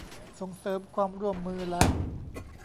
ส่งเสริมความร่วมมือและ